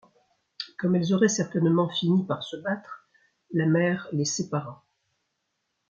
Comme elles auraient certainement fini par se battre, la mère les sépara.